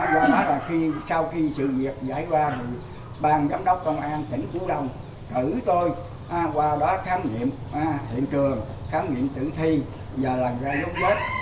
do đó là sau khi sự việc giải qua bang giám đốc công an tỉnh phú đông cử tôi qua đó khám nghiệm hiện trường khám nghiệm tử thi và làm ra giống vết